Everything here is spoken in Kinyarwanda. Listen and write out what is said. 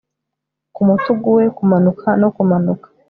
Kumutugu we kumanuka no kumanuka